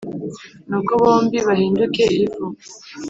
nuko bombi bahinduke ivu.